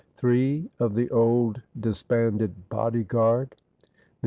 Three of the old disbanded body guard, MM.